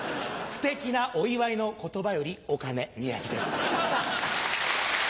ステキなお祝いの言葉よりお金宮治です。